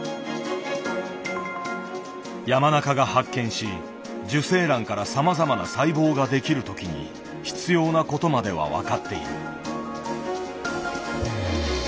山中が発見し受精卵からさまざまな細胞ができる時に必要な事までは分かっている。